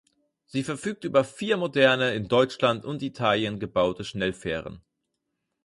Sie verfügt über vier moderne, in Deutschland und Italien gebaute Schnellfähren.